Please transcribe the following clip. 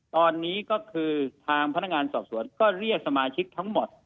ตอนนี้ก็คือทางพนักงานสอบสวนก็เรียกสมาชิกทั้งหมด